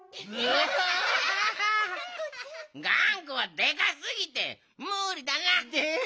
がんこはでかすぎてむりだな。